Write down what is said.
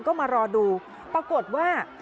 ก็มารอดูปรากฏว่า